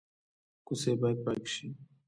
کوڅې باید پاکې شي